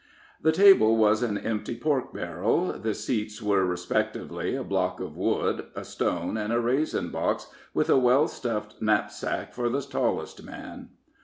The table was an empty pork barrel; the seats were respectively, a block of wood, a stone, and a raisin box, with a well stuffed knapsack for the tallest man.